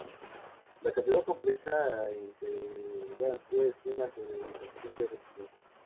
La cantidad compleja impedancia es una generalización de resistencia.